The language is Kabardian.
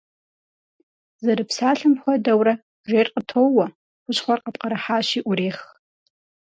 Зэрыпсалъэм хуэдэурэ, жейр къытоуэ, хущхъуэр къыпкърыхьащи Ӏурех.